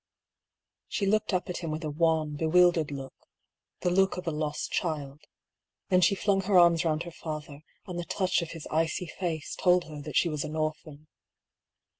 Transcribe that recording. She looked up at him with a wan, bewildered look — the look of a lost child; then she flung her arms round her father, and the touch of his icy face told her that she was an orphan.